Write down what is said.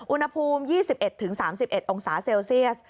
อุณหภูมิ๒๑๓๑องศาเซลเซียส